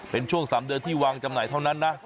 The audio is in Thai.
เป็นช่วง๓เดือนที่วางจำหน่ายเท่านั้นนะ